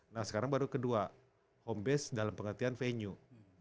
nah sekarang baru kedua home base dalam pengertian venue